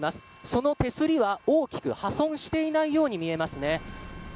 その手すりは大きく破損していないように見えますね。